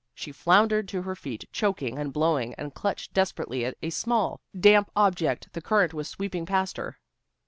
She floundered to her feet choking and blowing, and clutched desperately at a small, damp object the current was sweeping past her.